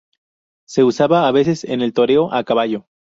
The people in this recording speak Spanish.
Se usaba a veces en el toreo a caballo.